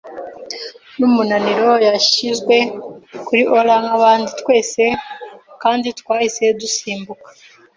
n'umunaniro, yashyizwe kuri oar, nkabandi twese, kandi twahise dusimbuka